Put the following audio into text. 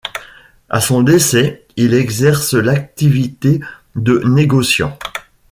À son décès, il exerce l'activité de négociant.